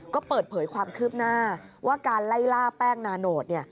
ก็เปิดเผยความคืบหน้าว่าการไล่ล่าแป้งนาโนต